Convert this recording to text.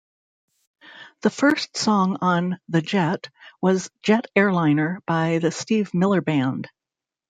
The first song on "The Jet" was "Jet Airliner" by The Steve Miller Band.